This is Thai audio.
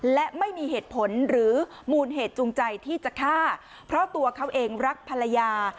และไม่มีเหตุผลหรือมูลเหตุจูงใจที่จะฆ่าเพราะตัวเขาเองรักภรรยา